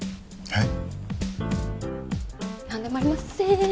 えっ？